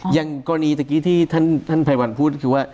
อย่างกรณีที่ท่านภัยวัลพูดคือว่า